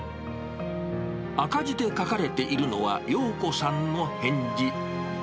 赤字で書かれているのは、ようこさんの返事。